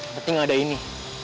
penting ada ini